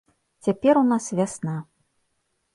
Цяпер у нас вясна.